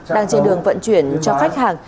đang trên đường vận chuyển cho khách hàng